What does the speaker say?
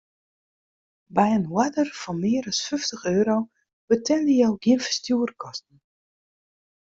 By in oarder fan mear as fyftich euro betelje jo gjin ferstjoerskosten.